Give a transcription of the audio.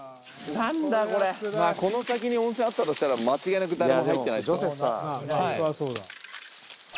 この先に温泉あったとしたら間違いなく誰も入ってない。